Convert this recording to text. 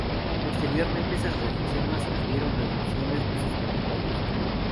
Posteriormente esas reservas sufrieron reducciones de sus territorios.